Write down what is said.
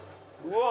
うわ